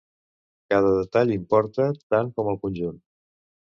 Cada detall importa tant com el conjunt.